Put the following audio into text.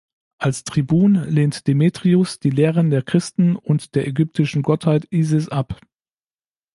Als Tribun lehnt Demetrius die Lehren der Christen und der ägyptischen Gottheit Isis ab.